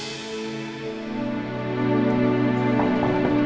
seng nak mendengar suara kamu